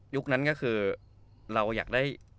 นั้นก็คือเราอยากได้